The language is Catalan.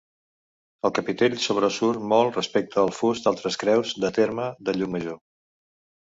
El capitell sobresurt molt respecte al fust d'altres creus de terme de Llucmajor.